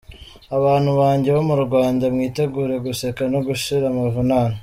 Abantu banjye bo mu Rwanda mwitegure guseka no gushira amavunane.